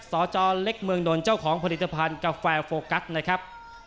สจเล็กเมืองดลเจ้าของผลิตภัณฑ์กาแฟโฟกัสนะครับ